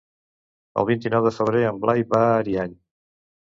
El vint-i-nou de febrer en Blai va a Ariany.